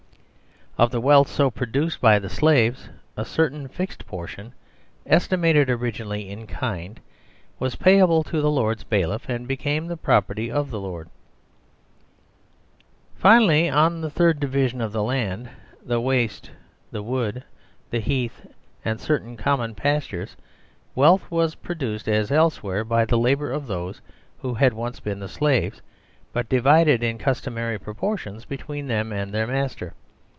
Of the wealth so produced by the Slaves, a certain fixed portion (estimated originally in kind) was pay able to the Lord's Bailiff, and became the property of the Lord. Finally, on the third division of the land, the "Waste," the "Wood," the "Heath," and certain com mon pastures, wealth was produced as elsewhere by the labour of those who had once been the Slaves, but divided in customary proportions between them and their master.